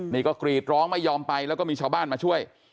นี่ก็กรีดร้องไม่ยอมไปแล้วก็มีชาวบ้านมาช่วย